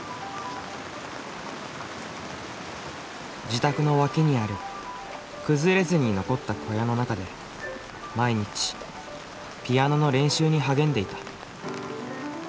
自宅の脇にある崩れずに残った小屋の中で毎日ピアノの練習に励んでいた。